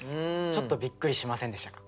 ちょっとびっくりしませんでしたか？